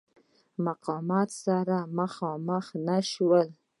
مقاومت سره مخامخ نه شول.